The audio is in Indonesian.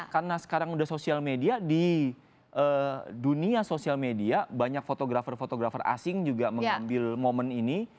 karena sekarang sudah sosial media di dunia sosial media banyak fotografer fotografer asing juga mengambil momen ini